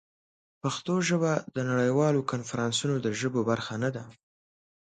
پښتو ژبه د نړیوالو کنفرانسونو د ژبو برخه نه ده.